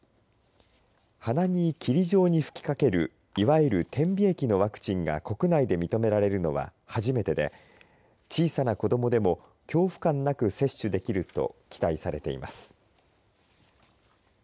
鼻に霧状に吹きかけるいわゆる点鼻液のワクチンが国内で認められるのは初めてで小さな子どもでも恐怖感なく接種できると期待されています。